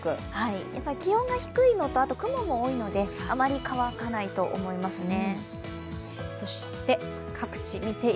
気温が低いのと、雲も多いので、あまり乾かないと思いますね。